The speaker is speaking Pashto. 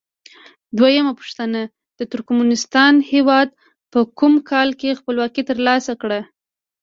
دویمه پوښتنه: د ترکمنستان هیواد په کوم کال کې خپلواکي تر لاسه کړه؟